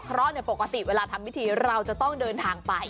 เพราะปกติเวลาทำพิธีเราจะต้องเดินทางไป